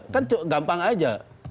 kan gampang aja